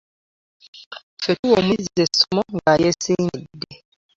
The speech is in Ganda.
Ffe tuwa omuyizi essomo ng'alyesiimidde.